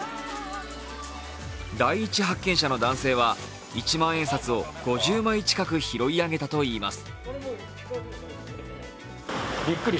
第一発見者の男性は一万円札を５０枚近く拾い上げたといいます。